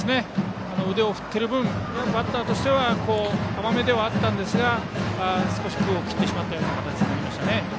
腕を振っている分バッターとしては甘めではあったんですが少し空を切ってしまった形になりましたね。